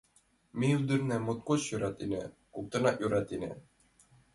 — Ме ӱдырнам моткоч йӧратена, коктынат йӧратена.